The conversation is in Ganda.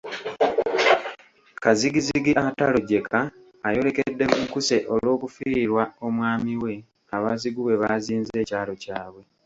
Kazigizigi atalojjeka ayolekedde Lunkuse olw’okufiirwa omwami we abazigu bwe baazinze ekyalo kyabwe.